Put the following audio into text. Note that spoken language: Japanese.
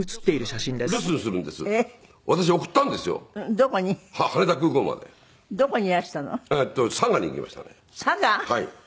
はい。